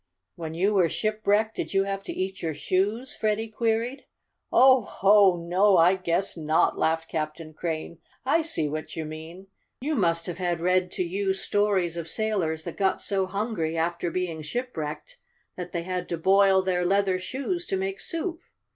"When you were shipwrecked did you have to eat your shoes?" Freddie queried. "Oh, ho! No, I guess not!" laughed Captain Crane. "I see what you mean. You must have had read to you stories of sailors that got so hungry, after being shipwrecked, that they had to boil their leather shoes to make soup.